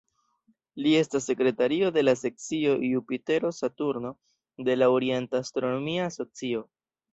Li estas sekretario de la Sekcio Jupitero-Saturno de la Orienta Astronomia Asocio.